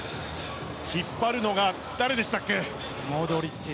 引っ張るのは誰でしたっけ？